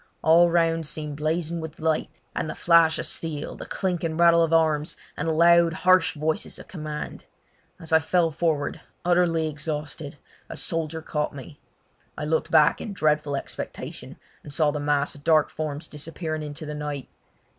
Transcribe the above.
All around seemed blazing with light, and the flash of steel, the clink and rattle of arms, and the loud, harsh voices of command. As I fell forward, utterly exhausted, a soldier caught me. I looked back in dreadful expectation, and saw the mass of dark forms disappearing into the night.